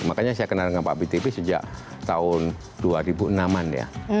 makanya saya kenal dengan pak btp sejak tahun dua ribu enam an ya